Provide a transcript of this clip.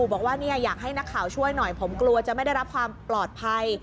บอกว่าอยากให้นักข่าวช่วยหน่อยผมกลัวจะไม่ได้รับความปลอดภัย